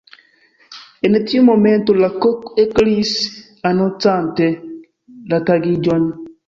En tiu momento la kok ekkriis, anoncante la tagiĝon.